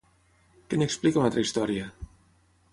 Què n'explica una altra història?